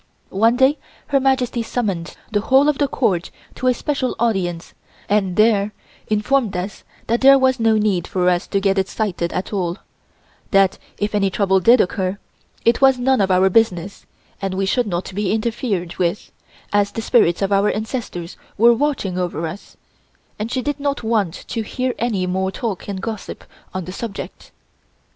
One day Her Majesty summoned the whole of the Court to a special audience and there informed us that there was no need for us to get excited at all; that if any trouble did occur, it was none of our business and we should not be interfered with, as the spirits of our ancestors were watching over us, and she did not want to hear any more talk and gossip on the subject.